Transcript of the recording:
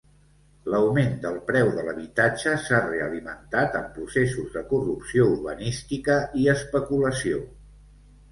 L'augment del preu de l'habitatge s'ha realimentat amb processos de corrupció urbanística i especulació.